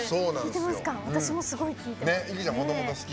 私もすごい聴いてます。